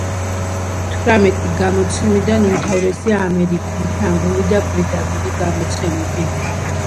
თვრამეტი გამოცემიდან უმთავრესია, ამერიკული, ფრანგული და ბრიტანული გამოცემები.